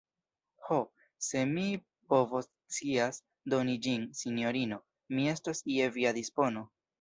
Ho, se mi povoscias doni ĝin, sinjorino, mi estos je via dispono.